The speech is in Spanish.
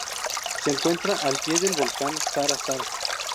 Se encuentra al pie del volcán Sara Sara.